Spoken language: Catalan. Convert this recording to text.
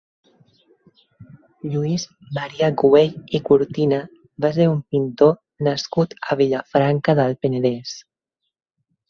Lluís Maria Güell i Cortina va ser un pintor nascut a Vilafranca del Penedès.